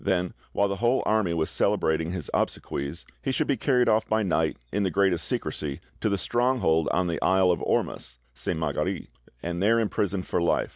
Then, while the whole army was celebrating his obsequies, he should be carried off by night, in the greatest secrecy, to the stronghold on the isle of Ormus (Sainte Marguerite), and there imprisoned for life.